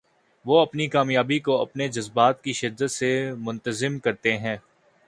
وہ اپنی کامیابی کو اپنے جذبات کی شدت سے منتظم کرتے ہیں۔